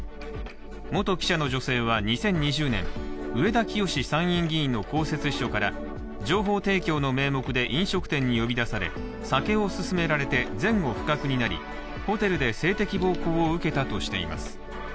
元記者の女性は２０２０年、上田清司議員の公設秘書から情報提供の名目で飲食店に呼び出され酒を勧められて前後不覚になりホテルで性的暴行を受けたとしています。